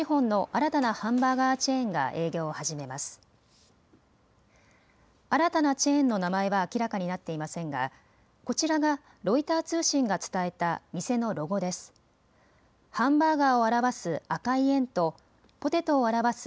新たなチェーンの名前は明らかになっていませんがこちらがロイター通信が伝えた店のロゴです。